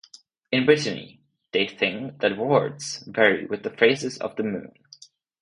In Brittany they think that warts vary with the phases of the moon.